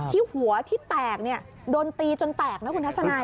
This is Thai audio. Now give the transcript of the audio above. ที่หัวที่แตกโดนตีจนแตกนะคุณทัศนัย